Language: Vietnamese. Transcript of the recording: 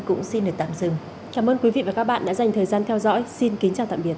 cũng xin được tạm dừng cảm ơn quý vị và các bạn đã dành thời gian theo dõi xin kính chào tạm biệt